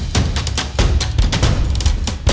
putri kau cukup